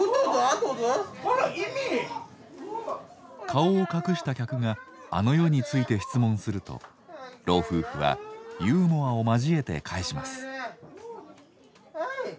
顔を隠した客があの世について質問すると老夫婦はユーモアを交えて返します。